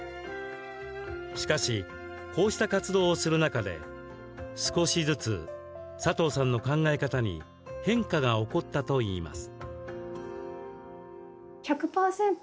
しかし、こうした活動をする中で少しずつサトウさんの考え方に変化が起こったといいます。